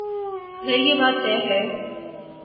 اگر یہ بات طے ہے۔